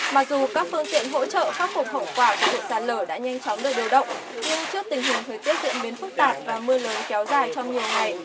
mặc dù các phương tiện hỗ trợ phát phục hậu quả của hộ dân sạt lở đã nhanh chóng đợi điều động nhưng trước tình huống thời tiết diễn biến phức tạp và mưa lớn kéo dài trong nhiều ngày